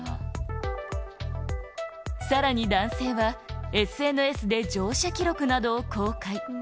さらに男性は、ＳＮＳで乗車記録などを公開。